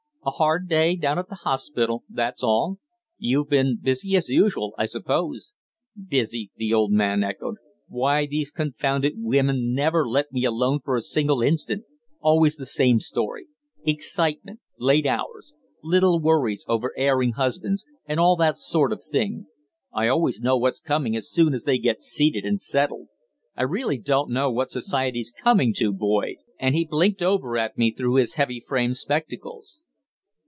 "A hard day down at the hospital, that's all. You've been busy as usual, I suppose." "Busy!" the old man echoed, "why, these confounded women never let me alone for a single instant! Always the same story excitement, late hours, little worries over erring husbands, and all that sort of thing. I always know what's coming as soon as they get seated and settled. I really don't know what Society's coming to, Boyd," and he blinked over at me through his heavy framed spectacles.